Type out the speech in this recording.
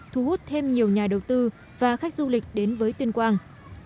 thu hút thêm nhiều nhà đầu tư và khách du lịch đến với tuyên quang